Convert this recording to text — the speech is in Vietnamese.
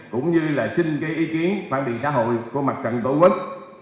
cũng như là xin gây ý kiến phản biệt xã hội của mặt trận tổ quốc